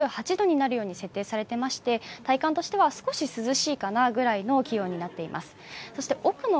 空調についても室温が２８度になるように設定されていまして体感としては少し涼しいかなぐらいの気温になっています。